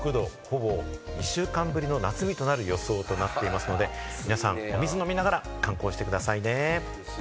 ほぼ２週間ぶりの夏日となる予想となっていますので、皆さん、お水を飲みながら観光してくださいね。